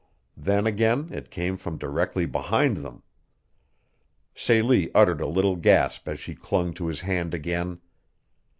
Then again it came from directly behind them. Celie uttered a little gasp as she clung to his hand again.